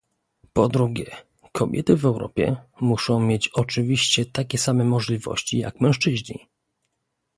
Po drugie, kobiety w Europie, muszą mieć oczywiście takie same możliwości jak mężczyźni